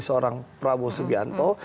seorang prabowo subianto